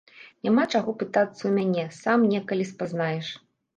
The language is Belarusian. Няма чаго пытацца ў мяне, сам некалі спазнаеш.